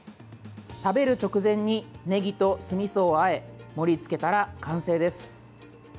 食べる直前にねぎと酢みそをあえ盛りつけたら完成です。